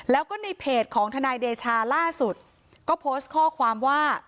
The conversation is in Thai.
แล้วก็ในเพจของทนายเดชาล่าสุดก็โพสต์ข้อความว่า